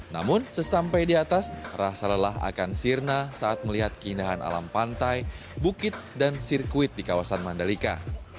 namun sesampai di atas rasa lelah akan sirna saat melihat keindahan alam pantai bukit dan sirkuit di kawasan mandalika